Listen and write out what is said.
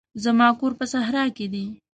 زما کور په صحرا کښي دی.